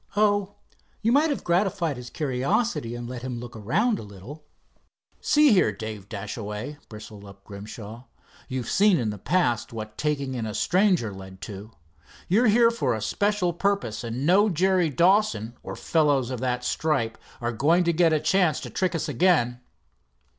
"Oh, you might have gratified his curiosity and let him look around a little." "See here, Dave Dashaway," bristled up Grimshaw, "you've seen in the past what taking in a stranger led to. You're here for a special purpose, and no Jerry Dawson, or fellows of that stripe, are going to get a chance to trick us again."